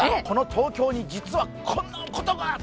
この東京に、実はこんなことが！